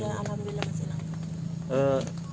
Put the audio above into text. iya alhamdulillah masih lengkap